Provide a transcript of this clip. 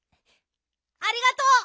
ありがとう！